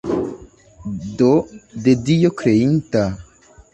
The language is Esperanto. Do, de Dio kreinta!